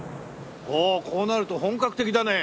おおこうなると本格的だね。